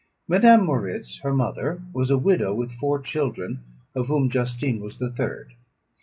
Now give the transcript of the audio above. Madame Moritz, her mother, was a widow with four children, of whom Justine was the third.